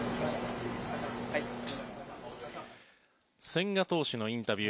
千賀投手のインタビュー